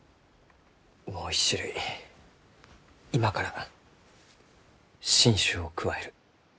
もう一種類今から新種を加える。